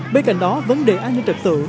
bên cạnh đó vấn đề an ninh trật tượng